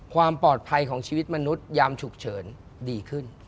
ความปลอดภัยของชีวิตมนุษยามฉุกเฉินดีขึ้น